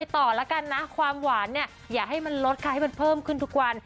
ต่อแล้วกันนะความหวานเนี่ยอย่าให้มันลดค่ะให้มันเพิ่มขึ้นทุกวัน